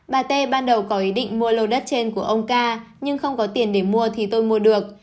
bà tê ban đầu có ý định mua lô đất trên của ông ca nhưng không có tiền để mua thì tôi mua được